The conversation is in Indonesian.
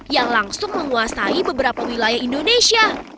yang langsung menguasai beberapa wilayah indonesia